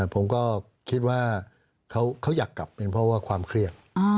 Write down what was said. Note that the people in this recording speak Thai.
ผมก็คิดว่าเขาอยากกลับเป็นเพราะว่าความเครียด